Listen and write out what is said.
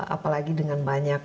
apalagi dengan banyak